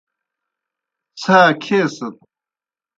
څھا کھیسَت۔